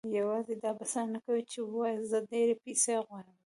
يوازې دا بسنه نه کوي چې وواياست زه ډېرې پيسې غواړم.